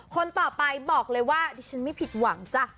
คนต่อไปบอกเลยว่าดิฉันไม่ผิดหวังจ้ะ